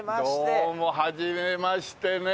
どうもはじめましてね。